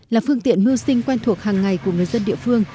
là phương tiện mưu sinh quen thuộc hàng ngày của người dân địa phương